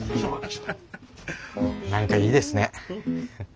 何かいいですね。